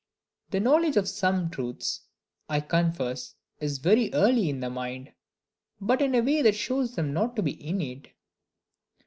The knowledge of some truths, I confess, is very early in the mind; but in a way that shows them not to be innate.